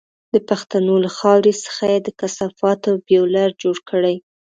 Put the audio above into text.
د پښتنو له خاورې څخه یې د کثافاتو بيولر جوړ کړی.